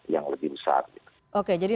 yang lebih besar oke jadi